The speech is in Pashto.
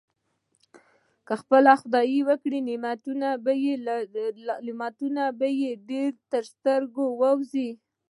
خپل خدای ورکړي نعمتونه به يې ډېر تر سترګو ورځي.